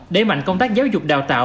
đẩy mạnh công tác giáo dục đào tạo